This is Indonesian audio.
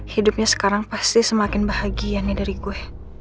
hidupnya sekarang pasti semakin bahagia nih dari gue